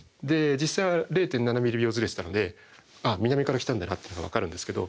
実際は０．７ミリ秒ずれてたのであっ南から来たんだなっていうのがわかるんですけど。